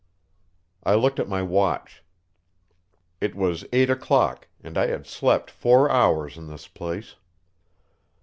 I looked at my watch. It was eight o'clock, and I had slept four hours in this place.